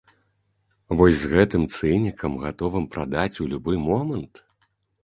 Вось з гэтым цынікам, гатовым прадаць у любы момант?